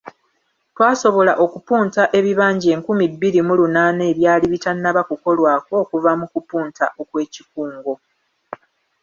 Twasobola okupunta ebibanja enkumi bbiri mu lunaana ebyali bitannaba kukolwako okuva mu kupunta okwekikungo.